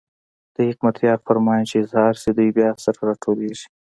د حکمتیار فرمان چې اظهار شي، دوی بیا سره راټولېږي.